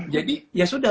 jadi ya sudah